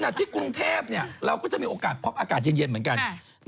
ที่กรุงเทพเราก็จะมีโอกาสพบอากาศเย็นเหมือนกัน